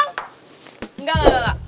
enggak enggak enggak